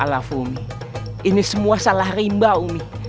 alaf umi ini semua salah rimba umi